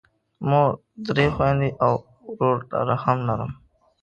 مور، درې خویندې او ورور هم لرم.